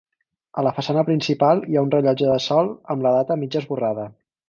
A la façana principal hi ha un rellotge de sol amb la data mig esborrada.